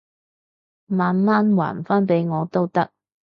慢慢還返畀我都得